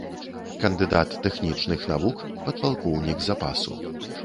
Кандыдат тэхнічных навук, падпалкоўнік запасу.